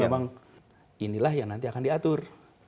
memang inilah yang nanti akan diatur